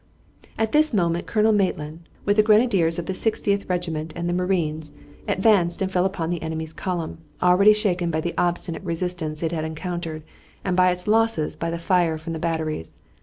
At this moment Colonel Maitland, with the grenadiers of the Sixtieth Regiment and the marines, advanced and fell upon the enemy's column, already shaken by the obstinate resistance it had encountered and by its losses by the fire from the batteries.